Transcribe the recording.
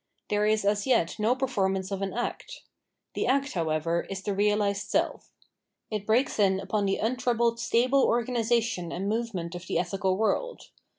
There is as yet no perform ance of an act. The act, however, is the realised sell It breaks in upon the untroubled stable organisation and movement of the ethical world.